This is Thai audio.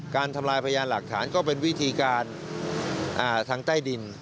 ทำลายพยานหลักฐานก็เป็นวิธีการทางใต้ดิน